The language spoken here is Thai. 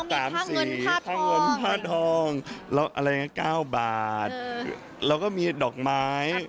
เข้าเงินผ้าทองอะไรอย่างนี้๙บาทแล้วก็มีดอกไม้ภาโคร